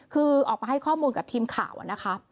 คือออกมาให้ข้อมูลกับทีมข่าวนะคะ